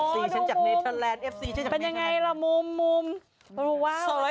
นี่โอ้โฮดูมุมเป็นอย่างไรล่ะมุมรู้ว่าหน่อยเดียว